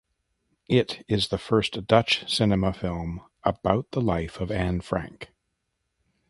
It is the first Dutch cinema film about the life of Anne Frank.